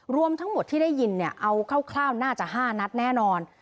รวมทั้งหมดที่ได้ยินเนี่ยเอาคร่าวน่าจะ๕นัดแน่นอน